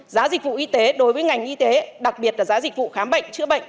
giá dịch vụ y tế đối với ngành y tế đặc biệt là giá dịch vụ khám bệnh chữa bệnh